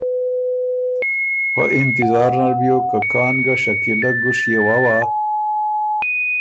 پۀ انتطار نر بیوک که کان ګه شکیلۀ ګُشيې ووا،